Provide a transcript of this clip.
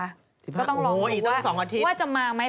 ๑๕กันโอ้โหอีกตั้ง๒อาทิตย์ก็ต้องลองว่าว่าจะมาไหม